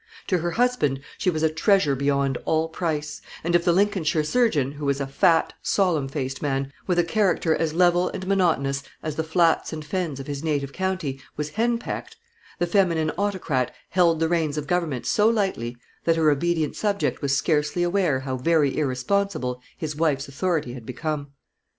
To her husband she was a treasure beyond all price; and if the Lincolnshire surgeon, who was a fat, solemn faced man, with a character as level and monotonous as the flats and fens of his native county, was henpecked, the feminine autocrat held the reins of government so lightly, that her obedient subject was scarcely aware how very irresponsible his wife's authority had become.